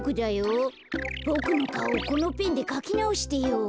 ボクのかおこのペンでかきなおしてよ。